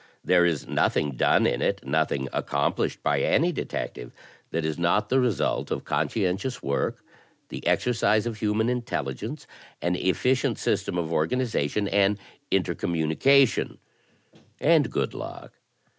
There is nothing done in it, nothing accomplished by any detective, that is not the result of conscientious work, the exercise of human intelligence, an efficient system of organization and inter commimication, and good luck.